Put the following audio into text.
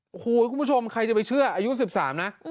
โอ้โหคุณผู้ชมใครจะไปเชื่ออายุ๑๓นะ